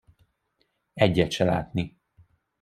Egyet se látni.